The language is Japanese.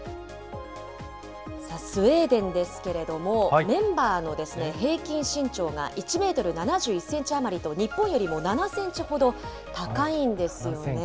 スウェーデンですけれども、メンバーの平均身長が１メートル７１センチ余りと日本よりも７センチほど高いんですよね。